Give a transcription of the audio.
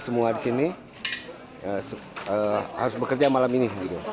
semua di sini harus bekerja malam ini